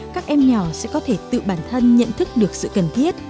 các em nhỏ sẽ có thể tự bản thân nhận thức được sự cần thiết